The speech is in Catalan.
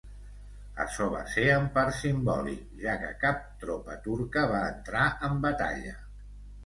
Açò va ser en part simbòlic, ja que cap tropa turca va entrar en batalla.